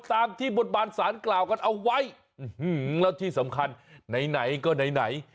ตามที่บนบานสารกล่าวกันเอาไว้แล้วที่สำคัญไหนก็ไหน